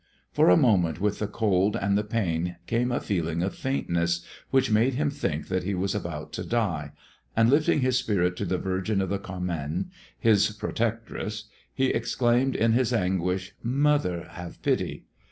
For a moment with the cold and the pain came a feeling of faintness which made him think that he was about to die, and lifting his spirit to the Virgin of the Carmen, his protectress, he exclaimed in his anguish, "Mother, have pity!"